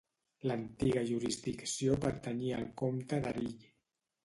L'antiga jurisdicció pertanyia al comte d'Erill.